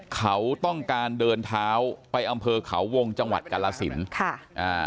เขาต้องการเดินเท้าไปอำเภอเขาวงจังหวัดกาลสินค่ะอ่า